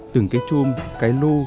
từng cái chuông cái lu